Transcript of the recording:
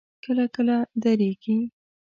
کله کله درېږي.